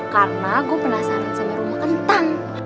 karena gua penasaran sama rumah kentang